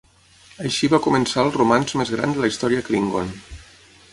Així va començar el romanç més gran de la història Klingon.